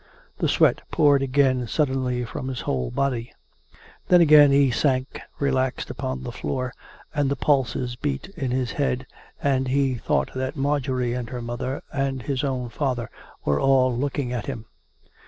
The sweat poured again suddenly from his whole body. ... Then again he sank relaxed upon the floor, and the pulses beat in his head, and he thought that Marjorie and her mother and his own father were all look ing at him.